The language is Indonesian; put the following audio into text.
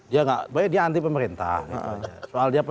ya banyak dia anti pemerintah